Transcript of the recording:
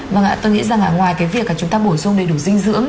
vâng ạ tôi nghĩ rằng ngoài cái việc là chúng ta bổ sung đầy đủ dinh dưỡng